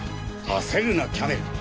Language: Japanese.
焦るなキャメル！